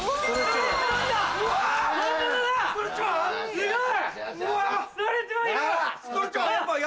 わすごい！